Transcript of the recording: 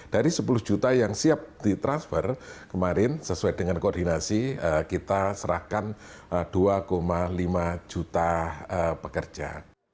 dari sepuluh juta yang siap ditransfer kemarin sesuai dengan koordinasi kita serahkan dua lima juta pekerja